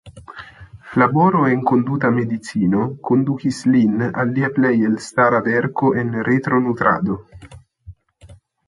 Laboro en konduta medicino kondukis lin al lia plej elstara verko en retronutrado.